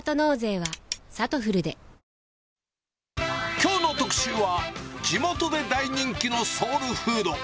きょうの特集は、地元で大人気のソウルフード。